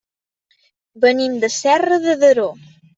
Venim de Serra de Daró.